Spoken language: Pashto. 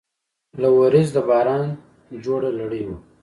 له وریځو د باران جوړه لړۍ وه